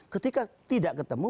ketika tidak ketemu